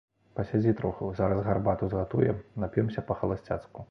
Пасядзі троху, зараз гарбату згатуем, нап'ёмся па-халасцяцку.